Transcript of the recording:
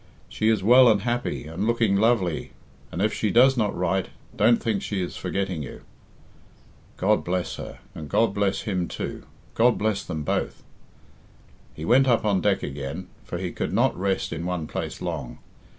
"She is well and happy, and looking lovely, and, if she does not write, don't think she is forgetting you." "God bless her. And God bless him, too. God bless them both!" He went up on deck again, for he could not rest in one place long.